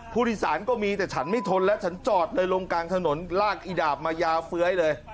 ผู้โดยสารก็มีแต่ฉันไม่ทนแล้วฉันจอดเลยลงกลางถนนลากอีดาบมายาวเฟ้ยเลย